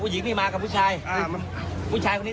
ผู้หญิงคนขับหรือผู้ชายคนขับแบบนี้เนี่ย